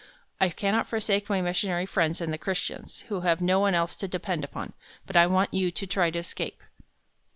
I cannot forsake my missionary friends and the Christians, who have no one else to depend upon, but I want you to try to escape."